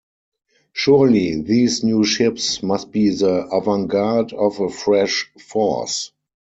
Surely these new ships must be the avantguard of a fresh force.